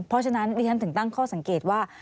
เพราะฉะนั้นดิฉันถึงตั้งข้อสังเกตว่า